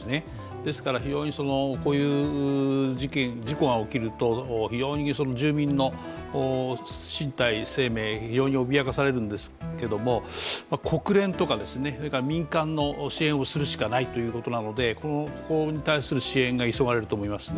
ですからこういう事故が起きると住民の身体、生命、非常に脅かされるんですけど国連とか民間の支援をするしかないということなので、ここに対する支援が急がれますね。